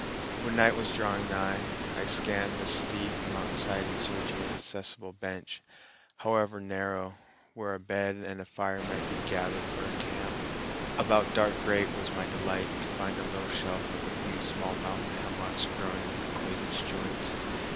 When night was drawing nigh, I scanned the steep mountainside in search of an accessible bench, however narrow, where a bed and a fire might be gathered for a camp. About dark great was my delight to find a little shelf with a few small mountain hemlocks growing in cleavage joints.